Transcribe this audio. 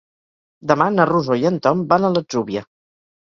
Demà na Rosó i en Tom van a l'Atzúbia.